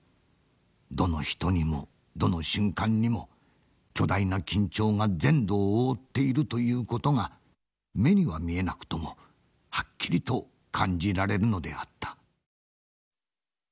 どの人にもどの瞬間にも巨大な緊張が全土を覆っているという事が目には見えなくともはっきりと感じられるのであった」。